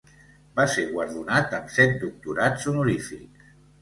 Va ser guardonat amb set doctorats honorífics.